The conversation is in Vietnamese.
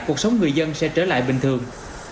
cuộc sống người dân sẽ trở lại bình thường